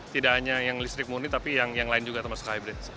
tidak hanya yang listrik murni tapi yang lain juga termasuk hybridge